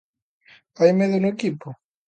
Hai medo no equipo?